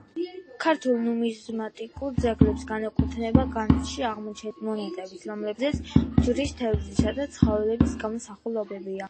ქართულ ნუმიზმატიკურ ძეგლებს განეკუთვნება განძში აღმოჩენილი ანონიმური მონეტებიც, რომლებზეც ჯვრის, თევზისა და ცხოველების გამოსახულებებია.